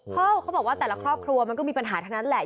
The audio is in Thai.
เขาบอกว่าแต่ละครอบครัวมันก็มีปัญหาทั้งนั้นแหละ